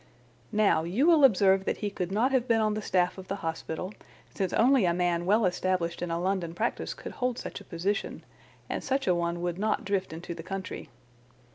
"Now, you will observe that he could not have been on the staff of the hospital, since only a man well established in a London practice could hold such a position, and such a one would not drift into the country.